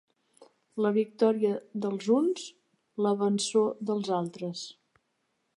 La victòria dels uns, la vençó dels altres.